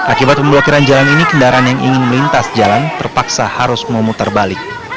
akibat pemblokiran jalan ini kendaraan yang ingin melintas jalan terpaksa harus memutar balik